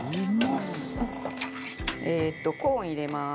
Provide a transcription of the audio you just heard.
えっと、コーン、入れます。